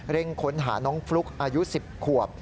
ค้นหาน้องฟลุ๊กอายุ๑๐ขวบ